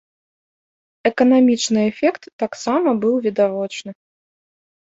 Эканамічны эфект таксама быў відавочны.